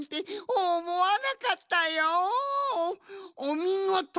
おみごと！